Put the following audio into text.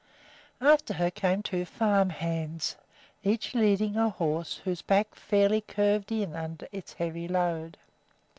After her came two farm hands, each leading a horse whose back fairly curved in under its heavy load.